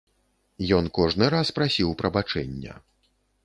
Ён кожны раз прасіў прабачэння.